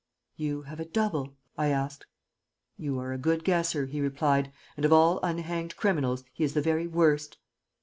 "You have a double?" I asked. "You are a good guesser," he replied; "and of all unhanged criminals he is the very worst."